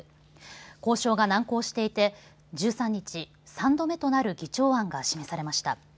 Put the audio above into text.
交渉が難航していて１３日議長案が示されました。